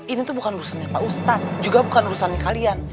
ini tuh bukan urusannya pak ustadz juga bukan urusan kalian